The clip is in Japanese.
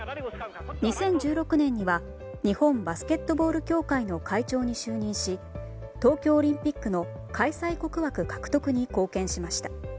２０１６年には日本バスケットボール協会の会長に就任し東京オリンピックの開催国枠獲得に貢献しました。